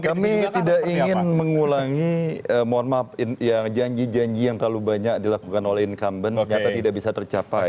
kami tidak ingin mengulangi mohon maaf yang janji janji yang terlalu banyak dilakukan oleh incumbent ternyata tidak bisa tercapai